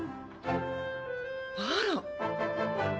あら。